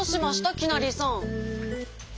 きなりさん。